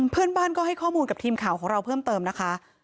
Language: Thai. เพื่อนบ้านก็ให้ข้อมูลกับทีมข่าวของเราเพิ่มเติมนะคะ